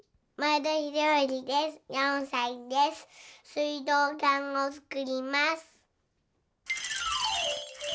すいどうかんをつくります。